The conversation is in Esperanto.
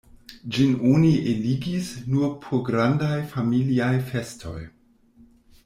Ĝin oni eligis nur por grandaj familiaj festoj.